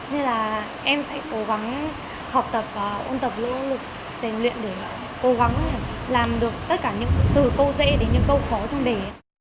nên là em sẽ cố gắng học tập và ôn tập lưỡng lực rèn luyện để cố gắng làm được tất cả những từ câu dễ đến những câu khó trong đề